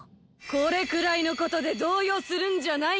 これくらいのことでどうようするんじゃないよ！